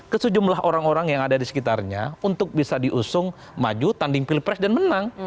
ke sejumlah orang orang yang ada di sekitarnya untuk bisa diusung maju tanding pilpres dan menang